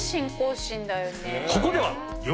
ここでは。